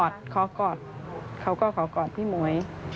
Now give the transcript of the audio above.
พี่หมวยขอกอดเขาก็ขอกอดพี่หมวย